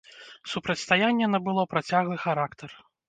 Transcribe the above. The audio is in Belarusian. Супрацьстаянне набыло працяглы характар.